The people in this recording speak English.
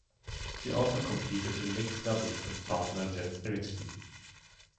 She also competed in mixed doubles with partner Jens Eriksen.